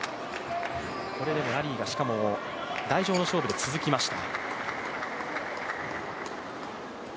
これラリーが台上の勝負で続きました。